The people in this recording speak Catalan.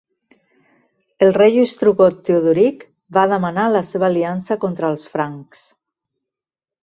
El rei ostrogot Teodoric va demanar la seva aliança contra els francs.